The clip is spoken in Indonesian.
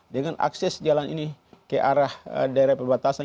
dengan akses jalan ini ke arah daerah perbatasan